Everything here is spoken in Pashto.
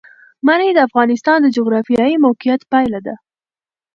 منی د افغانستان د جغرافیایي موقیعت پایله ده.